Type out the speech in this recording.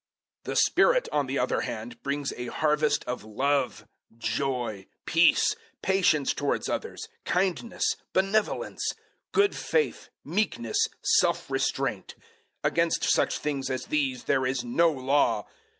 005:022 The Spirit, on the other hand, brings a harvest of love, joy, peace; patience towards others, kindness, benevolence; 005:023 good faith, meekness, self restraint. 005:024 Against such things as these there is no law.